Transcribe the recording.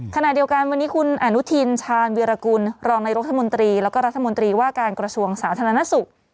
ขณะเดียวกันวันนี้คุณอนุทินชาญวิรากุลรองนายรัฐมนตรีแล้วก็รัฐมนตรีว่าการกระทรวงสาธารณสุข